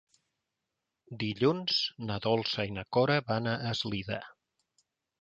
Dilluns na Dolça i na Cora van a Eslida.